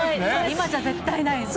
今じゃ、絶対ないですね。